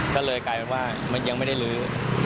ก็เลยกลายเป็นว่ายังไม่ได้ลื้อ